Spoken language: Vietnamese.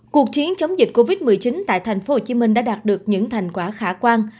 cuộc chiến chống dịch covid một mươi chín tại thành phố hồ chí minh đã đạt được những thành quả khả quan